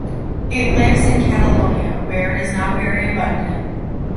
It lives in Catalonia, where it is not very abundant.